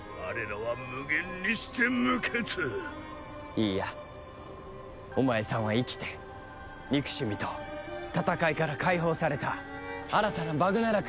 いいやお前さんは生きて憎しみと戦いから解放された新たなバグナラクの民になるんだ。